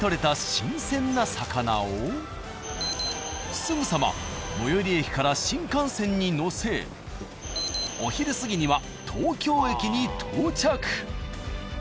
すぐさま最寄り駅から新幹線に乗せお昼過ぎには東京駅に到着。